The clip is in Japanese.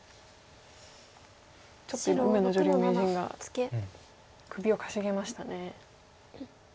ちょっと今上野女流名人が首をかしげましたね。